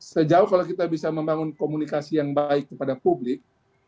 sejauh kalau kita bisa membangun komunikasi yang baik kepada publik